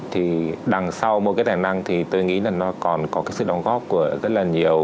thì đằng sau một cái tài năng thì tôi nghĩ là nó còn có cái sự đóng góp của rất là nhiều